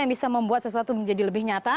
yang bisa membuat sesuatu menjadi lebih nyata